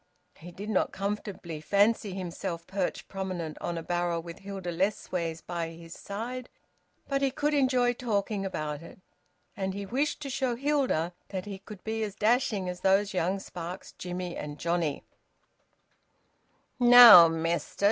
He did not comfortably fancy himself perched prominent on a barrel with Hilda Lessways by his side, but he could enjoy talking about it, and he wished to show Hilda that he could be as dashing as those young sparks, Jimmie and Johnnie. "Now, mester!"